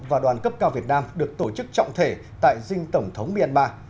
và đoàn cấp cao việt nam được tổ chức trọng thể tại dinh tổng thống myanmar